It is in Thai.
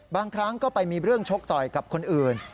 บางครั้งก็ไปมีเรื่องชกต่อยกับคนอื่น